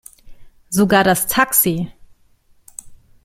Sogar das Taxi.